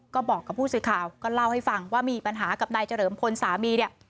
ก็บอกกับผู้สื่อข่าวก็เล่าให้ฟังว่ามีปัญหากับนายเฉลิมพลสามีเนี่ย